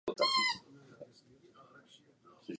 Občas se objeví i návrh na obnovení železničního provozu.